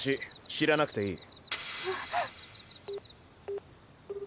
知らなくていい。